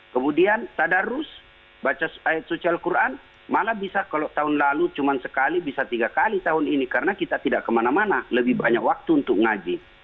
kemudian tadarus baca ayat suci al quran malah bisa kalau tahun lalu cuma sekali bisa tiga kali tahun ini karena kita tidak kemana mana lebih banyak waktu untuk ngaji